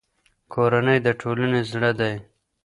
کورنۍ د ټولنې زړه دی.